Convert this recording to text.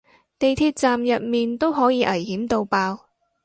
地鐵站入面都可以危險到爆